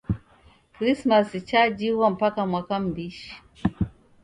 Krismasi chajighwa mpaka mwaka m'mbishi.